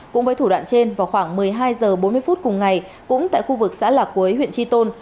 cũng với thủ đoạn trên vào khoảng một mươi hai h bốn mươi phút cùng ngày cũng tại khu vực xã lạc quế huyện tri tôn